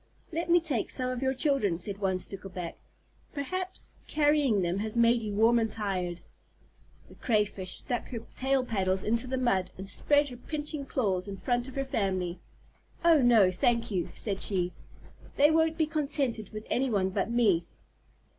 "Let me take some of your children," said one Stickleback. "Perhaps carrying them has made you warm and tired." The Crayfish stuck her tail paddles into the mud, and spread her pinching claws in front of her family. "Oh no, thank you," said she. "They won't be contented with any one but me."